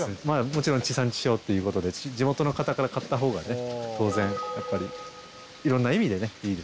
もちろん地産地消っていう事で地元の方から買った方がね当然やっぱり色んな意味でねいいですよね。